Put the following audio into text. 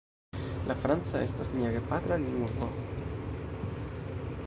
La franca estas mia gepatra lingvo.